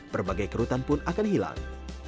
berbagai kerutan pun akan hilang